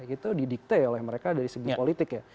itu didikte oleh mereka dari segi politik ya